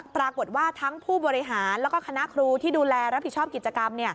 ปรากฏว่าทั้งผู้บริหารแล้วก็คณะครูที่ดูแลรับผิดชอบกิจกรรม